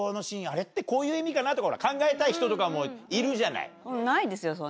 あれってこういう意味かなとか考えたい人とかもいるじゃない。